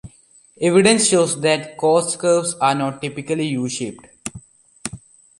Evidence shows that cost curves are not typically U-shaped.